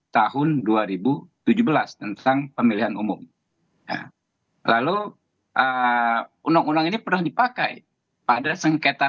tahun dua ribu tujuh belas tentang pemilihan umum lalu undang undang ini pernah dipakai pada sengketa